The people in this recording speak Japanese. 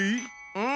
うん。